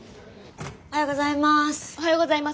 おはようございます。